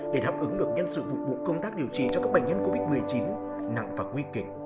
để đáp ứng được nhân sự phục vụ công tác điều trị cho các bệnh nhân covid một mươi chín nặng và nguy kịch